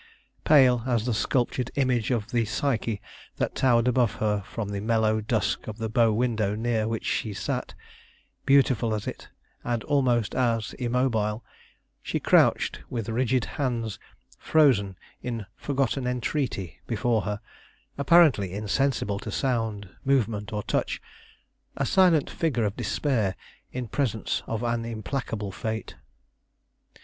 Pale as the sculptured image of the Psyche that towered above her from the mellow dusk of the bow window near which she sat, beautiful as it, and almost as immobile, she crouched with rigid hands frozen in forgotten entreaty before her, apparently insensible to sound, movement, or touch; a silent figure of despair in presence of an implacable fate.